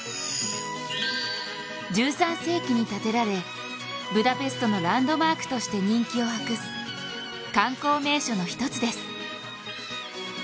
１３世紀に建てられ、ブダペストのランドマークとして人気を博す、観光名所の一つです。